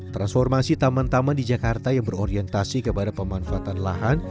transformasi taman taman di jakarta yang berorientasi kepada pemanfaatan lahan